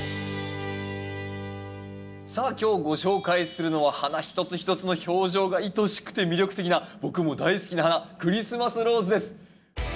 さあ今日ご紹介するのは花一つ一つの表情がいとしくて魅力的な僕も大好きな花クリスマスローズです。